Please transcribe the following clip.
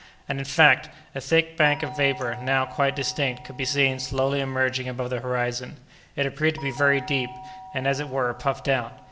And, in fact, a thick bank of vapor, now quite distinct, could be seen slowly emerging above the horizon. It appeared to be very deep, and, as it were, puffed out.